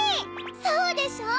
そうでしょ！